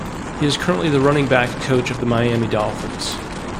He is currently the running backs coach of the Miami Dolphins.